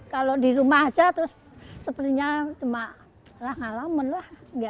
kalau di rumah saja terus sepenuhnya cuma ralang ralaman lah